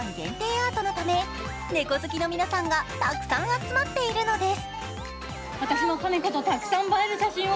アートのため猫好きの皆さんが、たくさん集まっているのです。